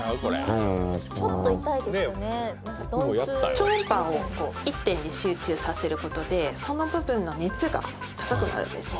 超音波を一点に集中させることでその部分の熱が高くなるんですね。